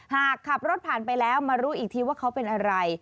หากขับรถผ่านไปแล้วมารู้อีกทีว่าเขาเป็นอะไร